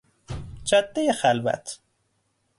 جادهی خلوت